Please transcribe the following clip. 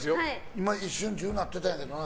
今一瞬１０になってたんやけどな。